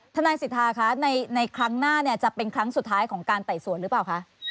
ทนายสิทธาคะในครั้งหน้าจะเป็นครั้งสุดท้ายของการไต่สวนหรือเปล่าคะ